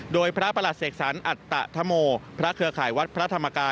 โดยพระประหลัดเสกสรรอัตตะธโมพระเครือข่ายวัดพระธรรมกาย